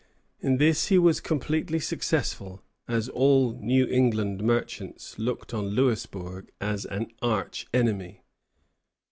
In this he was completely successful, as all New England merchants looked on Louisbourg as an arch enemy.